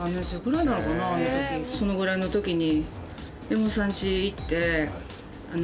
そのぐらいの時に。